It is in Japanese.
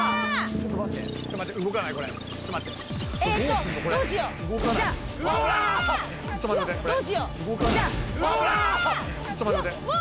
ちょっと待っててうわ！